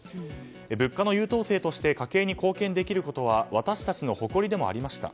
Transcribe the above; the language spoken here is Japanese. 物価の優等生として家計に貢献できることは私たちの誇りでもありました。